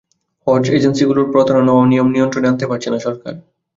হজ এজেন্সিগুলোর প্রতারণা ও অনিয়ম নিয়ন্ত্রণে আনতে পারছে না সরকার।